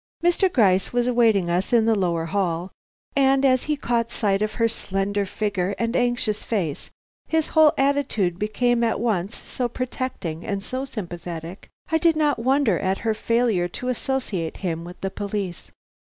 Mr. Gryce was awaiting us in the lower hall, and as he caught sight of her slender figure and anxious face his whole attitude became at once so protecting and so sympathetic, I did not wonder at her failure to associate him with the police.